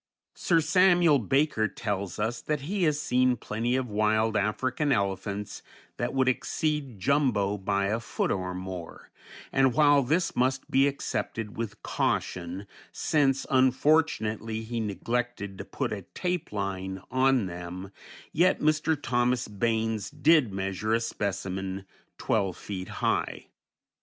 Sir Samuel Baker tells us that he has seen plenty of wild African elephants that would exceed Jumbo by a foot or more, and while this must be accepted with caution, since unfortunately he neglected to put a tape line on them, yet Mr. Thomas Baines did measure a specimen twelve feet high.